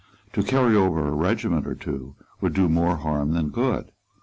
To carry over a regiment or two would do more harm than good.